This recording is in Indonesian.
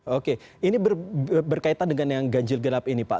oke ini berkaitan dengan yang ganjil genap ini pak